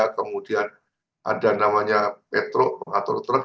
kemudian ada namanya petro atau truk